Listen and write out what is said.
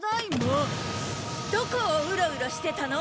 どこをうろうろしてたの？